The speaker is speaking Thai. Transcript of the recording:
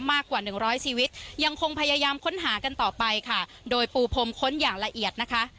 มากกว่าหนึ่งร้อยชีวิตยังคงพยายามค้นหากันต่อไปค่ะโดยปูพรมค้นอย่างละเอียดนะคะ